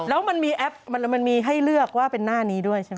แล้วมันมีแอปมันมีให้เลือกว่าเป็นหน้านี้ด้วยใช่ไหม